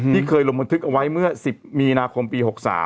ที่เคยลงบันทึกเอาไว้เมื่อ๑๐มีนาคมปี๖๓